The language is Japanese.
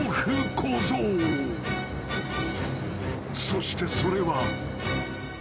［そしてそれは］